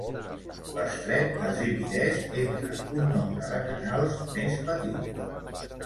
L'estret es divideix entre un nombre de canals més petits.